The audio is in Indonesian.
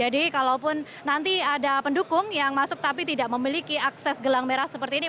jadi kalau pun nanti ada pendukung yang masuk tapi tidak memiliki akses gelang merah seperti ini